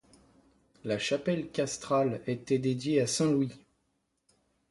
La chapelle castrale était dédiée à saint Louis.